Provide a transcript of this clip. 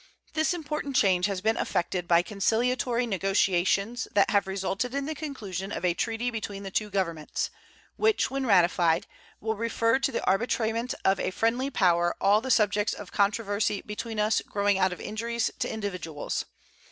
This important change has been effected by conciliatory negotiations that have resulted in the conclusion of a treaty between the two Governments, which, when ratified, will refer to the arbitrament of a friendly power all the subjects of controversy between us growing out of injuries to individuals.